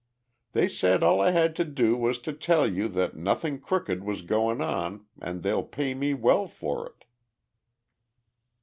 They said all I had to do was to tell you that nothing crooked was goin' on and they'll pay me well for it."